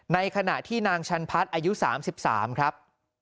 ในขณะที่นางชันพัฒน์อายุ๓๓ครับ